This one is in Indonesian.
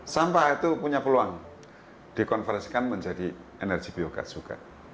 sampah itu punya peluang dikonversikan menjadi energi biogas juga